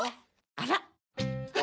あら！